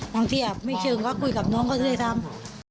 อย่างนี้คุยกับน้องเขาด้วยซ้ำ